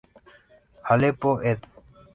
Aleppo" ed.